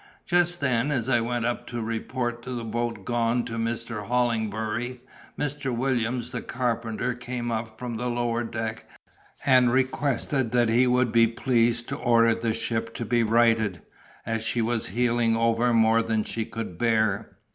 Just then, as I went up to report the boat gone to Mr. Hollingbury, Mr. Williams, the carpenter, came up from the lower deck, and requested that he would be pleased to order the ship to be righted, as she was heeling over more than she could bear.